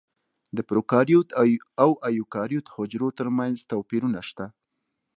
د پروکاریوت او ایوکاریوت حجرو ترمنځ توپیرونه شته.